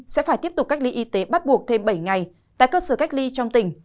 sẽ phải tiếp tục cách ly y tế bắt buộc thêm bảy ngày tại cơ sở cách ly trong tỉnh